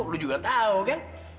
lo juga tahu kan